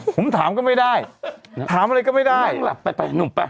ผมถามก็ไม่ได้ถามอะไรก็ไม่ได้นั่งหลับไปไปหนุ่มป่ะ